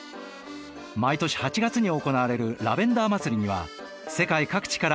毎年８月に行われるラベンダー祭りには世界各地から多くの観光客が訪れる。